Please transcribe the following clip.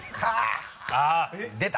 出た！